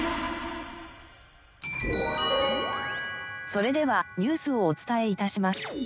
それではニュースをお伝えいたします。